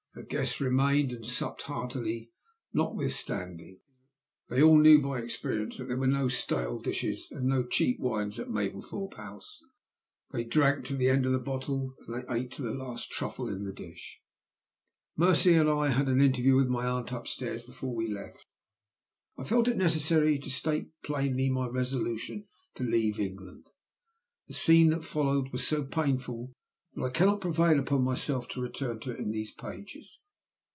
Her guests remained and supped heartily notwithstanding. They all knew by experience that there were no stale dishes and no cheap wines at Mablethorpe House. They drank to the end of the bottle, and they ate to the last truffle in the dish. "Mercy and I had an interview with my aunt upstairs before we left. I felt it necessary to state plainly my resolution to leave England. The scene that followed was so painful that I cannot prevail on myself to return to it in these pages.